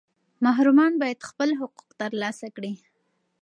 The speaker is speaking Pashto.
محرومان باید خپل حقوق ترلاسه کړي.